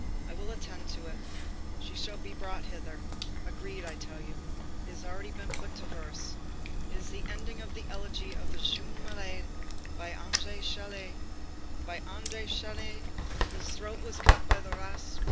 I will attend to it. She shall be brought hither. Agreed, I tell you. It has already been put into verse. This is the ending of the elegy of the 'Jeune Malade' by André Chénier, by André Chénier whose throat was cut by the ras .